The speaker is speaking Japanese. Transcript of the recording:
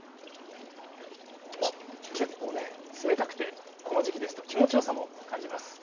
あっ、結構、冷たくてこの時期ですと気持ちよさも感じます。